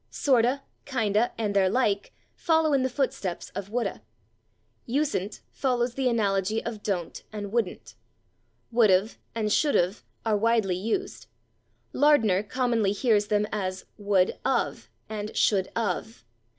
/Sort'a/, /kind'a/ and their like follow in the footsteps of /would'a/. /Usen't/ follows the analogy of /don't/ and /wouldn't/. /Would 've/ and /should 've/ are widely used; Lardner commonly hears them as /would of/ and /should of